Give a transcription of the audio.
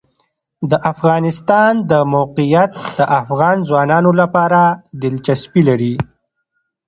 د افغانستان د موقعیت د افغان ځوانانو لپاره دلچسپي لري.